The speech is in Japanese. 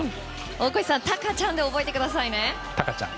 大越さん、鷹ちゃんで覚えてくださいね！